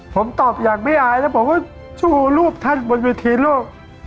ผมตอบอย่างไม่อายแล้วผมก็สู้รูปท่านบนเวทีโลก